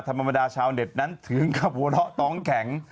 ธรรมดาชาวเน็ตนั้นถึงกับหัวเราะต้องแข็ง